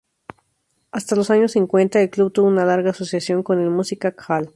Hasta los años cincuenta, el club tuvo una larga asociación con el music hall.